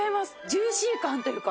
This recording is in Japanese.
ジューシー感というか。